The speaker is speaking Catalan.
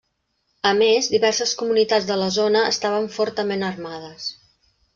A més, diverses comunitats de la zona estaven fortament armades.